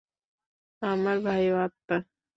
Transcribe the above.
আমার ভাইও আত্মা।